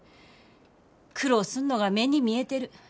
苦労すんのが目に見えてる。